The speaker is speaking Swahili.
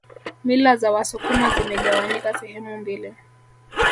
Mila za wasukuma zimegawanyika sehemu mbili